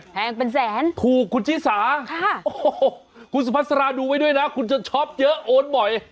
แพงเป็นแสนถูกคุณชิสาโอ้โหคุณสุพัสราดูไว้ด้วยนะคุณจะช็อปเยอะโอนบ่อย